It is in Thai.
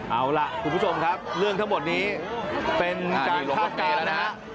เอาล่ะคุณผู้ชมครับเรื่องทั้งหมดนี้เป็นการคาดการณ์นะฮะ